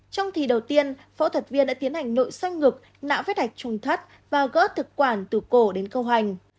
trong thí đầu tiên phẫu thuật viên đã tiến hành nội soi ngực nã vết hạch trùng thắt và gỡ thực quản từ cổ đến câu hành